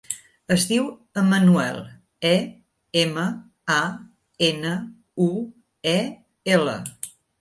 Es diu Emanuel: e, ema, a, ena, u, e, ela.